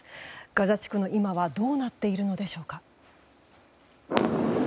ガザ地区の今はどうなっているのでしょうか。